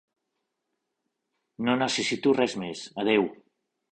No necessito res més, adéu!